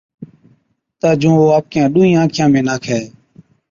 تہ جُون او آپڪِيان ڏُونھِين آنکان ۾ ناکَي